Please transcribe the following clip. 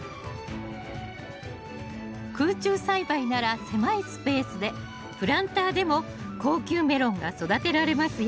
空中栽培なら狭いスペースでプランターでも高級メロンが育てられますよ